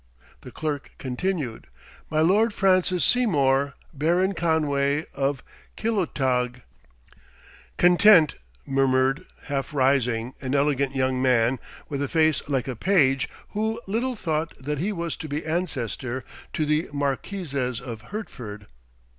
The Clerk continued, "My Lord Francis Seymour, Baron Conway, of Killultagh." "Content," murmured, half rising, an elegant young man, with a face like a page, who little thought that he was to be ancestor to the Marquises of Hertford.